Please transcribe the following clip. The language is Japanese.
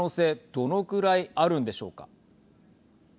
どのくらいあるんでしょうか。